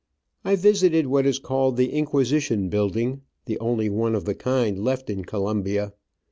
I visited what is called the Inquisition Building, the only one of the kind left in Colombia.